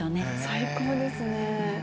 最高ですね。